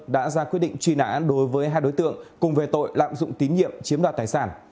đã ra quyết định truy nã đối với hai đối tượng cùng về tội lạm dụng tín nhiệm chiếm đoạt tài sản